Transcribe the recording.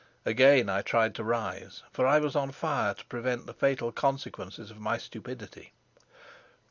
Again I tried to rise, for I was on fire to prevent the fatal consequences of my stupidity.